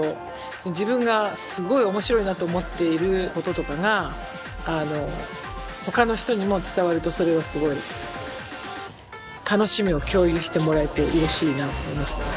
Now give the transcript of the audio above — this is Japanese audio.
自分がすごい面白いなと思っていることとかがほかの人にも伝わるとそれはすごい楽しみを共有してもらえてうれしいなと思いますけどね。